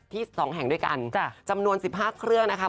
ที่๒แห่งด้วยกันจำนวน๑๕เครื่องนะคะ